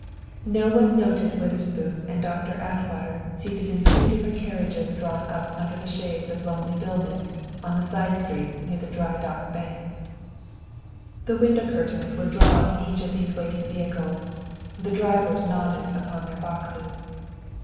No one noted Witherspoon and Doctor Atwater seated in two different carriages drawn up under the shades of lonely buildings on the side street near the Dry Dock Bank. The window curtains were down in each of these waiting vehicles, and the drivers nodded upon their boxes.